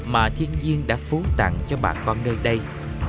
mà thiên nhiên đã phú tặng cho bà con nơi đây